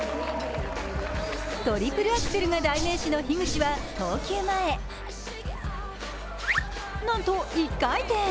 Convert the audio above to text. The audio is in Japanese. トリプルアクセルが代名詞の樋口は投球前なんと１回転。